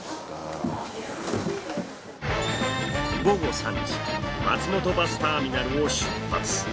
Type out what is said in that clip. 午後３時松本バスターミナルを出発。